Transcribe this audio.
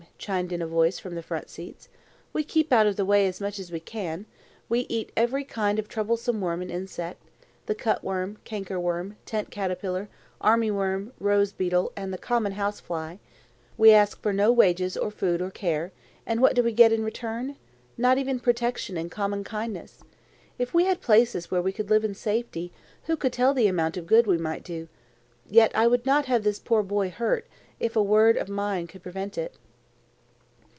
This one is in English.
chimed in a voice from the front seats. "We keep out of the way as much as we can; we eat every kind of troublesome worm and insect, the cutworm, canker worm, tent caterpillar, army worm, rose beetle, and the common house fly; we ask for no wages or food or care, and what do we get in return? Not even protection and common kindness. If we had places where we could live in safety, who could tell the amount of good we might do? Yet I would not have this poor boy hurt if a word of mine could prevent it."